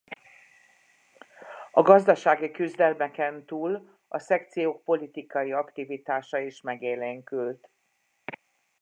A gazdasági küzdelmeken túl a szekciók politikai aktivitása is megélénkült.